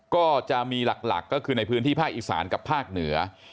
ก็จะมีหลักก็คือในพื้นที่ภาคอีสานกับภาคเหนือ